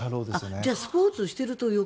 じゃあスポーツしていると余計？